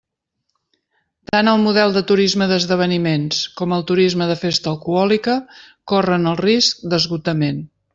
Tant el model de turisme d'esdeveniments com el turisme de festa alcohòlica corren el risc d'esgotament.